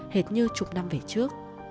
hệt như chục năm về trước